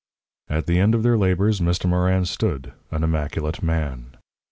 At the end of their labours, Mr. Morin stood, an immaculate man.